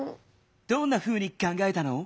どんなふうにかんがえたの？